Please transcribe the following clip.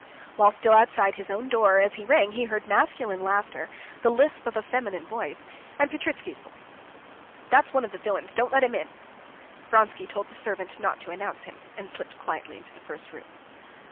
While still outside his own door, as he rang, he heard masculine laughter, the lisp of a feminine voice, and Petritsky's voice. "If that's one of the villains, don't let him in!" Vronsky told the servant not to announce him, and slipped quietly into the first room.